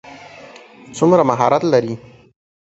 څومره مهارت لري.